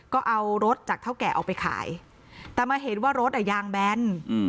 ก็เอารถจากเท่าแก่ออกไปขายแต่มาเห็นว่ารถอ่ะยางแบน